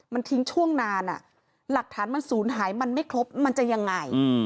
มันทิ้งช่วงนานหลักฐานมันศูนย์หายมันไม่ครบมันจะยังไง